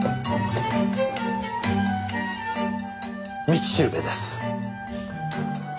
道しるべです。